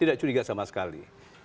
tidak curiga sama sekali